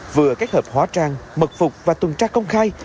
vừa kết hợp hóa trang mật phục và tuần tra công khai